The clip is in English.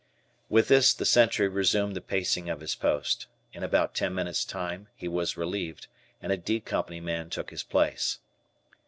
With this, the sentry resumed the pacing of his post. In about ten minutes' time he was relieved, and a "D" Company man took his place.